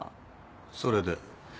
それで？